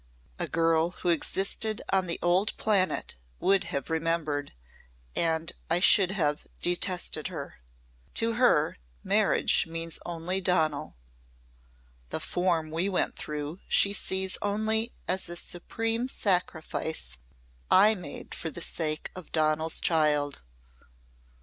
"A girl who existed on the old planet would have remembered, and I should have detested her. To her, marriage means only Donal. The form we went through she sees only as a supreme sacrifice I made for the sake of Donal's child.